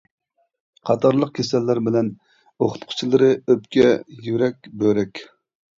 قاتارلىق كېسەللەر بىلەن، ئوقۇتقۇچىلىرى ئۆپكە، يۈرەك، بۆرەك.